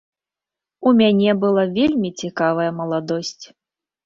У мяне была вельмі цікавая маладосць.